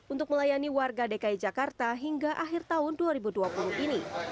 untuk melayani warga dki jakarta hingga akhir tahun dua ribu dua puluh ini